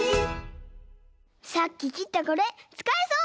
さっききったこれつかえそう！